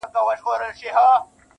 اې ښكلي پاچا سومه چي ستا سومه_